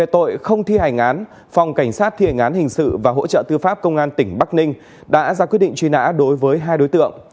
tội không thi hành án phòng cảnh sát thi hành án hình sự và hỗ trợ tư pháp công an tỉnh bắc ninh đã ra quyết định truy nã đối với hai đối tượng